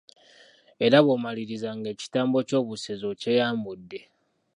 Era bw’omaliriza ng’ekitambo ky’obusezi okyeyambudde.